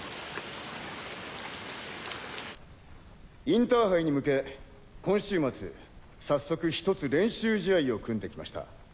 インターハイに向け今週末早速ひとつ練習試合を組んできました。